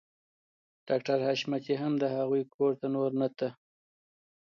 ډاکټر حشمتي هم د هغوی کور ته نور نه ته